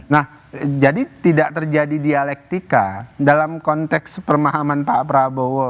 nah jadi tidak terjadi dialektika dalam konteks pemahaman pak prabowo